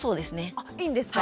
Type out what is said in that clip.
あいいんですか。